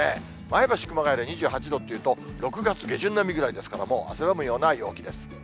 前橋、熊谷で２８度っていうと、６月下旬並みぐらいですから、もう汗ばむような陽気です。